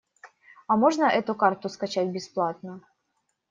А можно эту карту скачать бесплатно?